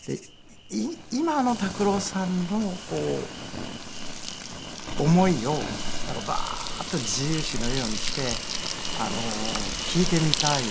今の拓郎さんの思いをバーッと自由詩のようにして聴いてみたいですね。